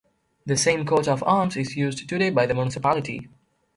The same coat of arms is used today by the municipality.